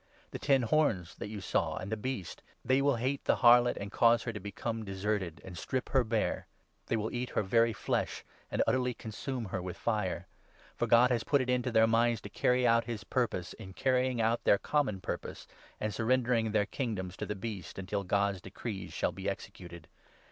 The ten horns that you saw, and the 16 Beast — they will hate the Harlot, and cause her to become deserted and strip her bare ; they will eat her very flesh and utterly consume her with fire. For God has put it into their 17 minds to carry out his purpose, in carrying out their common purpose and surrendering their kingdoms to the Beast, until God's decrees shall be executed.